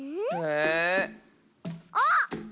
あっ！